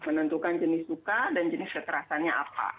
menentukan jenis tuka dan jenis keterasannya apa